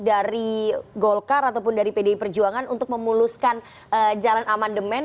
dari golkar ataupun dari pdi perjuangan untuk memuluskan jalan amandemen